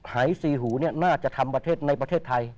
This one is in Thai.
หายซีหูน่าจะทำประเทศในประเทศไทย